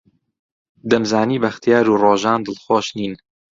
دەمزانی بەختیار و ڕۆژان دڵخۆش نین.